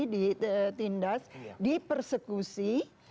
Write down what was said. ditindas di persekusi